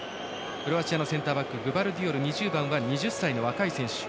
クロアチアのセンターバックグバルディオルは若い選手。